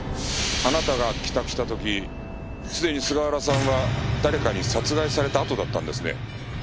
あなたが帰宅した時すでに菅原さんは誰かに殺害されたあとだったんですね。